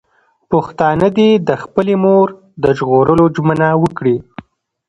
پښتانه دې د خپلې مور د ژغورلو ژمنه وکړي.